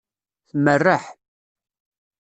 Tmerreḥ.